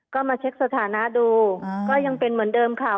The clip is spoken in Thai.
ก็มาเช็คสถานะดูก็ยังเป็นเหมือนเดิมค่ะ